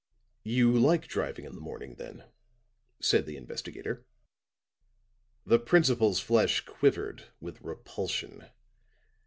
"You like driving in the morning, then?" said the investigator. The principal's flesh quivered with repulsion.